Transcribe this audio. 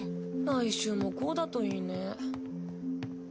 来週もこうだといいね。